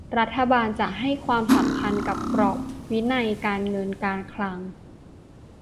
รัฐบาลจะให้ความสำคัญกับกรอบวินัยการเงินการคลัง